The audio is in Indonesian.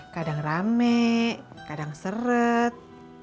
kadang rame kadang seret